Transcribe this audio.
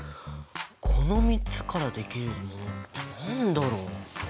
この３つからできるものって何だろう？